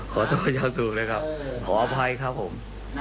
ขอโทษยาสูตรเลยครับขออภัยครับผม